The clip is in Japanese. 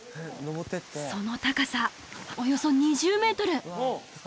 その高さおよそ２０メートル